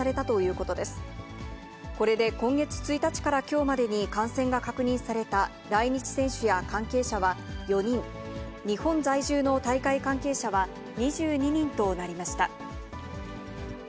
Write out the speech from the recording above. これで今月１日からきょうまでに感染が確認された来日選手や関係者は４人、日本在住の大会関係者は２２人となりました。